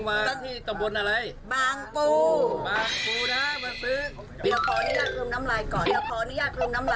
อร่อยเลยไม่ต้องมีน้ำจิ้น